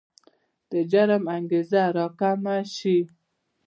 د جرم انګېزه راکمه شي.